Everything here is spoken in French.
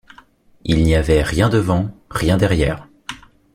Il n’y avait rien devant, rien derrière.